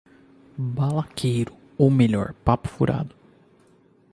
Balaqueiro, ou melhor, papo-furado